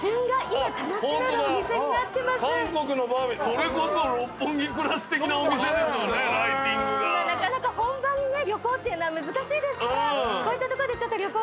今なかなか本場の旅行っていうのは難しいですからこういったところでちょっと旅行気分を。